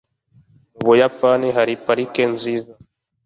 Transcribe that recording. mu buyapani hari parike nziza